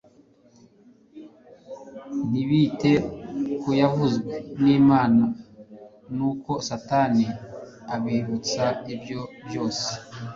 ntibite ku yavuzwe n'Imana. Nuko Satani abibutsa ibyo byose,